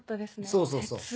そうそうそう。